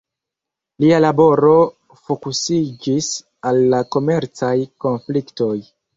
Lia laboro fokusiĝis al la komercaj konfliktoj.